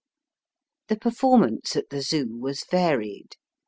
The performance at the Zoo was varied.